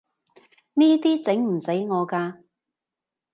呢啲整唔死我㗎